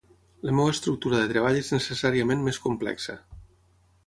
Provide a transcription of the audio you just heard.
La meva estructura de treball és necessàriament més complexa.